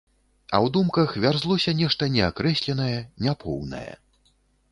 А ў думках вярзлося нешта неакрэсленае, няпоўнае.